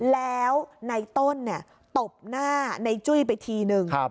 แล้วในต้นตบหน้าในจุ้ยไปทีนึง